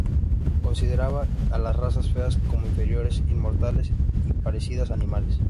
Consideraba a las razas feas como inferiores, inmorales e parecidas a animales.